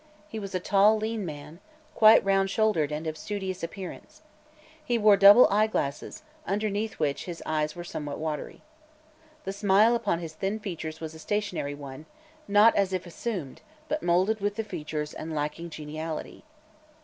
He was a tall, lean man, quite round shouldered and of studious appearance. He wore double eyeglasses, underneath which his eyes were somewhat watery. The smile upon his thin features was a stationary one, not as if assumed, but molded with the features and lacking geniality.